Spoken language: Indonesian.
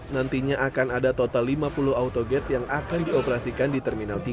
nantinya akan ada total lima puluh autoget yang akan dioperasikan di terminal tiga